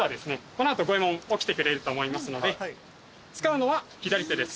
この後ゴエモン起きてくれると思いますので使うのは左手です。